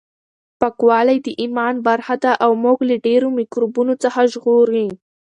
پاکوالی د ایمان برخه ده او موږ له ډېرو میکروبونو څخه ژغوري.